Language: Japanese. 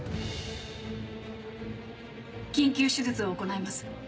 緊急手術を行います。